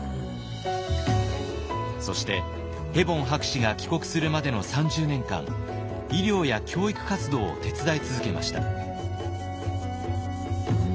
そしてヘボン博士が帰国するまでの３０年間医療や教育活動を手伝い続けました。